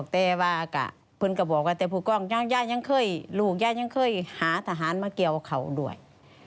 แต่พูดว่าย่ายังเคยลูกย่ายังเคยหาทหารมาเกี่ยวเขาด้วย